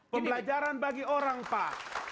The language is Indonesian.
pembelajaran bagi orang pak